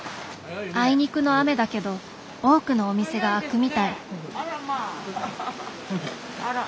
あいにくの雨だけど多くのお店が開くみたい。